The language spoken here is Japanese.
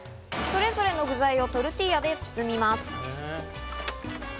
それぞれの具材をトルティーヤで包みます。